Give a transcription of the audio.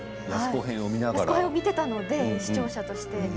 安子編を見ていたので視聴者として。